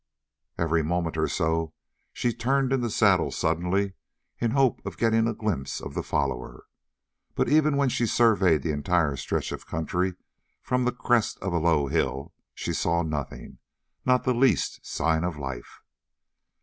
Every moment or so she turned in the saddle suddenly in the hope of getting a glimpse of the follower, but even when she surveyed the entire stretch of country from the crest of a low hill, she saw nothing not the least sign of life.